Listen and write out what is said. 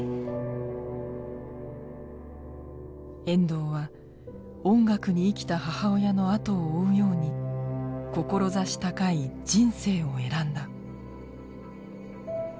遠藤は音楽に生きた母親の後を追うように志高い「人生」を選んだ。